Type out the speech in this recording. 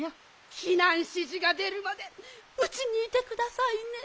ひなんしじがでるまでうちにいてくださいね。